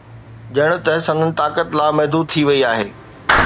ڄڻ ته سندن طاقت لامحدود ٿي وئي آهي.